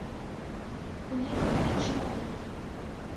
انہیں بات اچھی نہ لگی۔